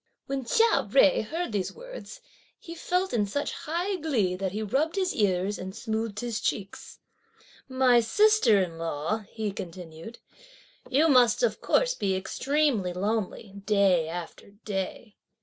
When Chia Jui heard these words, he felt in such high glee that he rubbed his ears and smoothed his cheeks. "My sister in law," he continued, "you must of course be extremely lonely day after day."